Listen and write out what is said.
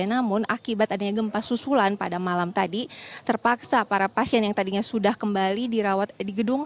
namun akibat adanya gempa susulan pada malam tadi terpaksa para pasien yang tadinya sudah kembali dirawat di gedung